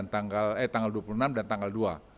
eh tanggal dua puluh enam dan tanggal dua